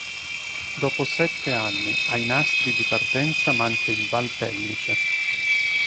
Dopo sette anni, ai nastri di partenza manca il Valpellice.